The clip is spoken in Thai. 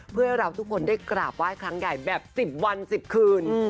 เพื่อให้เราทุกคนได้กราบไหว้ครั้งใหญ่แบบ๑๐วัน๑๐คืน